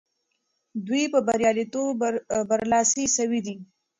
دوی په بریالیتوب برلاسي سوي دي.